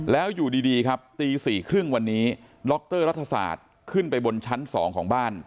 แล้วอยู่ดีครับตีสี่ครึ่งวันนี้ล็อคเตอร์รัฐศาสตร์ขึ้นไปบนชั้นสองของบ้าน